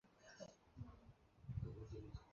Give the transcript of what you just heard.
傅科摆